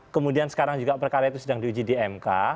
kemudian sekarang juga perkara itu sedang diuji di mk